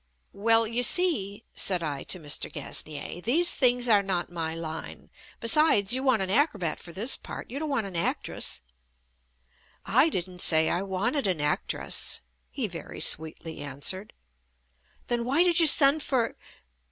"Well, you see/' said I to Mr. Gasnier, "these things are not my line. Besides, you want an acrobat for this part. You don't want an actress." "I didn't say I wanted an actress," he very sweetly answered. "Then why did you send for